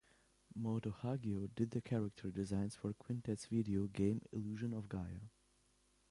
Moto Hagio did the character designs for Quintet's video game "Illusion of Gaia".